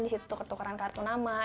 di situ tuker tukeran kartu nama